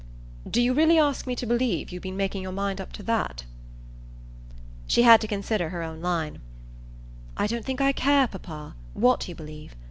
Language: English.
"Do you really ask me to believe you've been making up your mind to that?" She had to consider her own line. "I don't think I care, papa, what you believe.